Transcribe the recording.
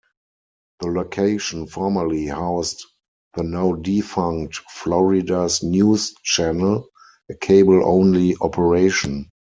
The location formerly housed the now-defunct Florida's News Channel, a cable-only operation.